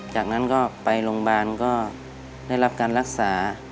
จากนั้นก็ไปโรงพยาบาลก็ได้รับการรักษา